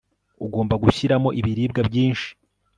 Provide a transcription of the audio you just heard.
ugomba gushyiramo ibiribwa byinshi